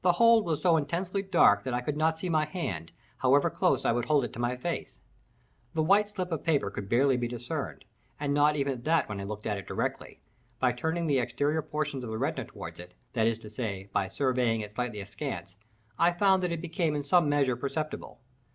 The hold was so intensely dark that I could not see my hand, however close I would hold it to my face. The white slip of paper could barely be discerned, and not even that when I looked at it directly; by turning the exterior portions of the retina toward it—that is to say, by surveying it slightly askance, I found that it became in some measure perceptible.